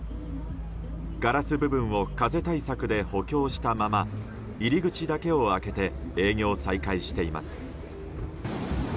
ガラス部分を風対策で補強したまま入り口だけを開けて営業再開しています。